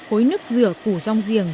khối nước dừa củ rong giềng